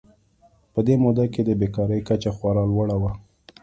په دې موده کې د بېکارۍ کچه خورا لوړه وه.